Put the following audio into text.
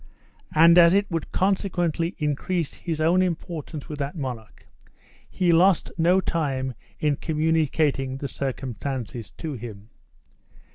And as it would consequently increase his own importance with that monarch, he lost no time in communicating the circumstances to him.